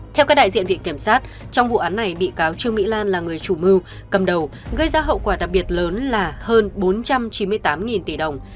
theo các đại diện viện kiểm sát trong vụ án này bị cáo trương mỹ lan là người chủ mưu cầm đầu gây ra hậu quả đặc biệt lớn là hơn bốn trăm chín mươi tám tỷ đồng